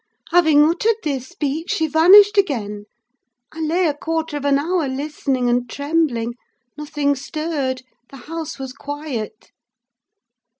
"Having uttered this speech, she vanished again. I lay a quarter of an hour listening and trembling. Nothing stirred—the house was quiet.